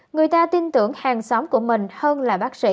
người ta tin tưởng hàng xóm của mình hơn là bác sĩ